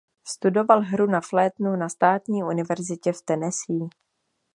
Studoval hru na flétnu na Státní universitě v Tennessee.